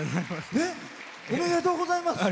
おめでとうございます。